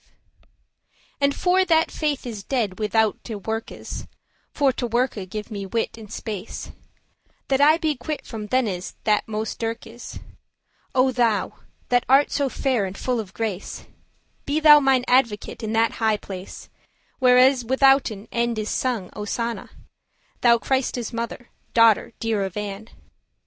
* *faith And, for that faith is dead withoute werkes, For to worke give me wit and space, That I be *quit from thennes that most derk is;* *freed from the most O thou, that art so fair and full of grace, dark place (Hell)* Be thou mine advocate in that high place, Where as withouten end is sung Osanne, Thou Christe's mother, daughter dear of Anne.